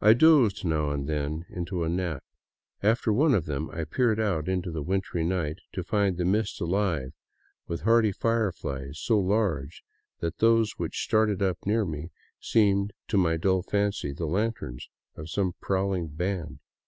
I dozed now and then into a nap. After one of them I peered out into the wintry night, to find the mist alive with hardy fireflies so large that those which started up near me seemed to my dull fancy the lanterns of some prowling band.